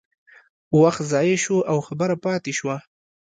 وخت ضایع شو او خبره پاتې شوه.